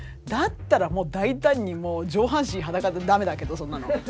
だったらもう大胆にもう上半身裸でダメだけどそんなの。